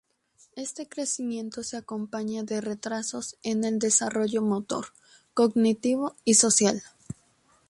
Este crecimiento se acompaña de retrasos en el desarrollo motor, cognitivo y social.